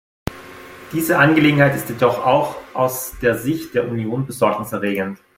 Diese Angelegenheit ist jedoch auch aus der Sicht der Union Besorgnis erregend.